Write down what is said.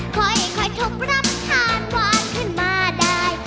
ค่อยทบรำทานหวานขึ้นมาได้